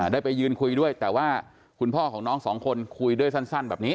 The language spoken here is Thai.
ได้ไปยืนคุยด้วยแต่ว่าคุณพ่อของน้องสองคนคุยด้วยสั้นแบบนี้